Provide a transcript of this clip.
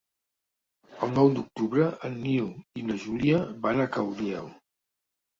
El nou d'octubre en Nil i na Júlia van a Caudiel.